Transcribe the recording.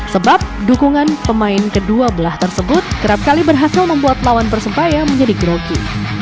sebab dukungan pemain kedua belah tersebut kerap kali berhasil membuat lawan persebaya menjadi grogi